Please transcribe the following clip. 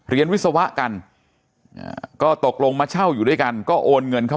วิศวะกันก็ตกลงมาเช่าอยู่ด้วยกันก็โอนเงินเข้า